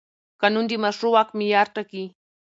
قانون د مشروع واک معیار ټاکي.